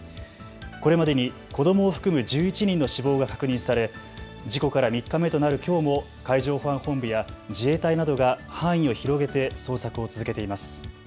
これまでに子どもを含む１１人の死亡が確認され事故から３日目となるきょうも海上保安本部や自衛隊などが範囲を広げて捜索を続けています。